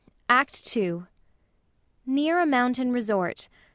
ACT SECOND. [Near a mountain resort.